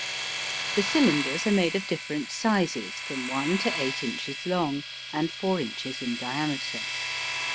The cylinders are made of different sizes, from 1 to 8 inches long and 4 inches in diameter.